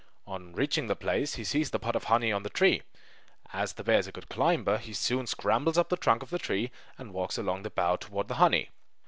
On reaching the place he sees the pot of honey on the tree. As the bear is a good climber, he soon scrambles up the trunk of the tree and walks along the bough toward the honey.